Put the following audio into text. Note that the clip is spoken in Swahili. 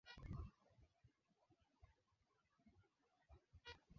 kijana huyo alikuwa tayari kwa safari ya kufurahisha